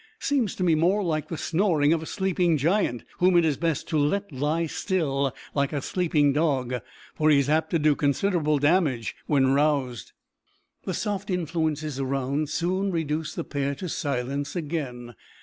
Seems to me more like the snoring of a sleeping giant, whom it is best to let lie still like a sleeping dog, for he's apt to do considerable damage when roused." The soft influences around soon reduced the pair to silence again.